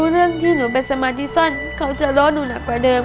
เรื่องที่หนูเป็นสมาธิสั้นเขาจะล้อหนูหนักกว่าเดิม